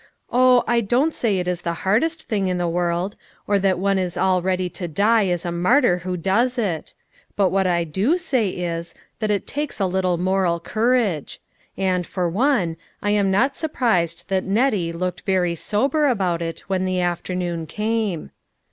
Oh ! I don't say it is the hardest thing in the world ; or that one is all ready to die as a mar tyr who does it ; but what I do say is, that it takes a little moral courage ; and, for one, I am 34 THE FLOWER PARTY. 305 not surprised that Nettie looked very sober about it when the afternoon came.